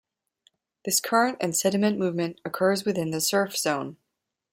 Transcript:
This current and sediment movement occurs within the surf zone.